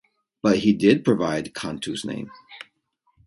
But he did provide Cantu's name.